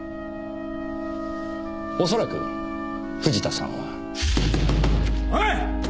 おそらく藤田さんは。おい！